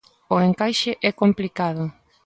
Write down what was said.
O encaixe é complicado.